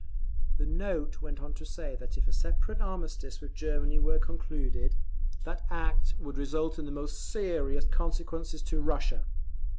The note went on to say that if a separate armistice with Germany were concluded, that act "would result in the most serious consequences" to Russia.